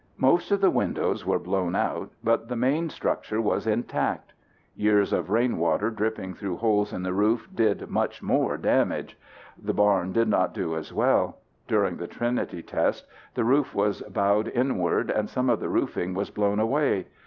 Most of the windows were blown out, but the main structure was intact. Years of rain water dripping through holes in the roof did much more damage. The barn did not do as well. During the Trinity test the roof was bowed inward and some of the roofing was blown away.